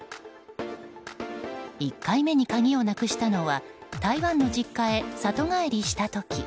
１回目に鍵をなくしたのは台湾の実家へ里帰りした時。